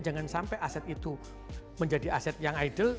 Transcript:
jangan sampai aset itu menjadi aset yang ideal